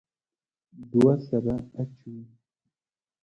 دوه سره اچوي.